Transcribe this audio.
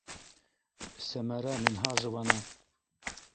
Сәмәрә Минһажеваны...